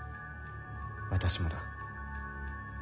私もだ。